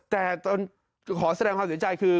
แต่ขอแสดงความเสียใจคือ